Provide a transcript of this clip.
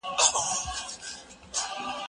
هغه وويل چي فکر ضروري دی!؟